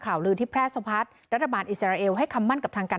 ลือที่แพร่สะพัดรัฐบาลอิสราเอลให้คำมั่นกับทางการ